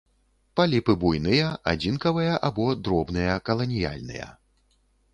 Паліпы буйныя адзінкавыя або дробныя каланіяльныя.